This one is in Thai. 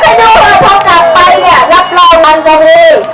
เดี๋ยวก็ดูว่าพอกลับไปเนี่ยรับรองมันก็มี